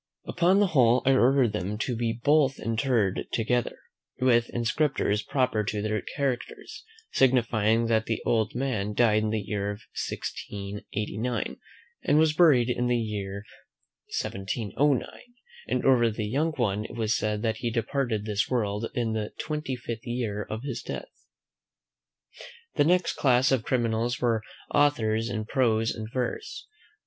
Upon the whole, I ordered them to be both interred together, with inscriptions proper to their characters, signifying, that the old man died in the year 1689, and was buried in the year 1709; and over the young one it was said, that he departed this world in the twenty fifth year of his death. The next class of criminals were authors in prose and verse.